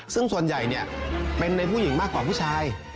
ซึ่งส่วนใหญ่เป็นในผู้หญิงมากกว่าผู้ชาย